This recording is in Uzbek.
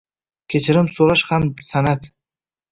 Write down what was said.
Kechirim so'rash ham san'at.